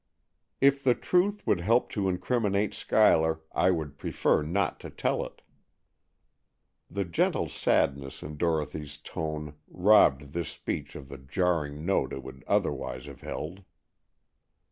"If the truth would help to incriminate Schuyler, I would prefer not to tell it." The gentle sadness in Dorothy's tone robbed this speech of the jarring note it would otherwise have held.